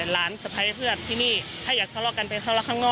อยากเจอทางชิ้นเซศสุดท้าย